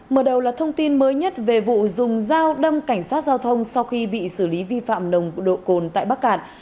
mở đầu là thông tin mới nhất về vụ dùng dao đâm cảnh sát giao thông sau khi bị xử lý vi phạm nồng độ cồn tại bắc cạn